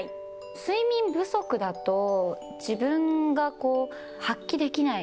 睡眠不足だと、自分がこう、発揮できない。